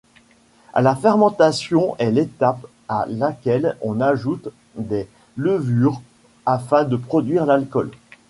La fermentation est l'étape à laquelle on ajoute des levures afin de produire l'alcool.